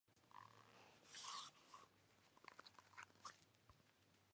Hojas suaves, cordadas anchas, y tallo suave.